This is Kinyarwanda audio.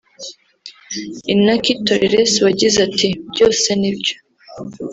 Inaki Toreres wagize ati”Byose ni byo”